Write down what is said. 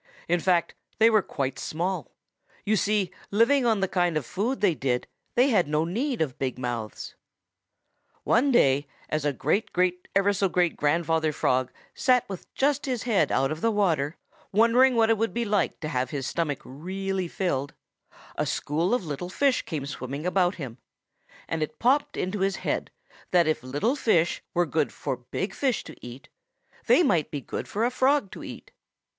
In fact, they were quite small. You see, living on the kind of food they did, they had no need of big mouths. "One day as a Great great ever so great grandfather Frog sat with just his head out of water, wondering what it would seem like to have his stomach really filled, a school of little fish came swimming about him, and it popped into his head that if little fish were good for big fish to eat, they might be good for a Frog to eat.